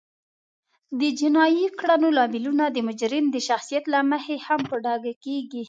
د جینایي کړنو لاملونه د مجرم د شخصیت له مخې هم په ډاګه کیږي